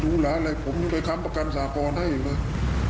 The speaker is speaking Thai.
หรูหลาอะไรผมไม่เคยทำประกันสาปรณ์ให้เลย